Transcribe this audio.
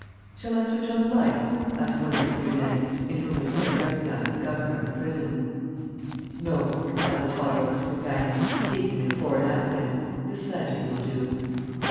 ..."Shall I switch on the light?" asked one of the three men, in whom Lupin recognized the governor of the prison. "No," replied the taller of his companions, speaking in a foreign accent. "This lantern will do."